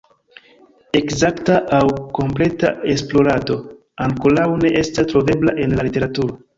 Ekzakta aŭ kompleta esplorado ankoraŭ ne estas trovebla en la literaturo.